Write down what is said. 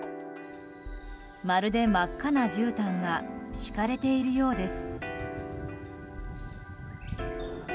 まるで真っ赤なじゅうたんが敷かれているようです。